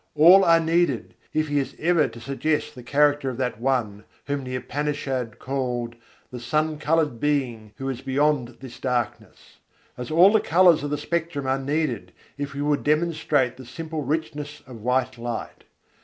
All are needed, if he is ever to suggest the character of that One whom the Upanishad called "the Sun coloured Being who is beyond this Darkness": as all the colours of the spectrum are needed if we would demonstrate the simple richness of white light.